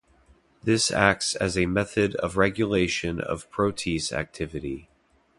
This acts as a method of regulation of protease activity.